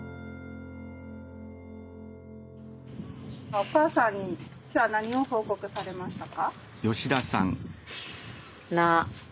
お母さんに今日は何を報告されましたか？